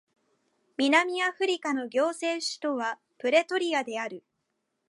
南アフリカの行政首都はプレトリアである